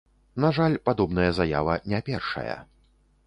На жаль, падобная заява не першая.